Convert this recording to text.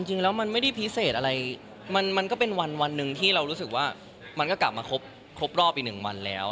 จริงแล้วมันไม่ได้พิเศษอะไรมันก็เป็นวันหนึ่งที่เรารู้สึกว่ามันก็กลับมาครบรอบอีก๑วันแล้ว